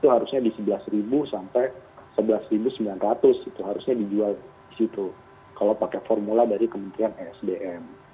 harusnya di rp sebelas sampai sebelas sembilan ratus itu harusnya dijual di situ kalau pakai formula dari kementerian esdm